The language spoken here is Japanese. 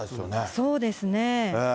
そうですね。